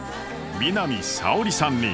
南沙織さんに。